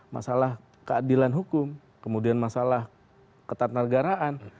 masalah keadilan hukum kemudian masalah ketat nargaraan